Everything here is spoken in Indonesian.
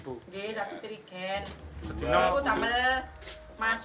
itu kadang kadang yang mesti telas